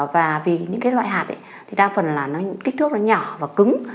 và vì những loại hạt đa phần là kích thước nhỏ và cứng